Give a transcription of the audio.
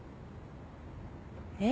えっ？